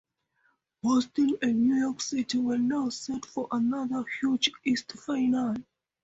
Boston and New York were now set for another huge East final.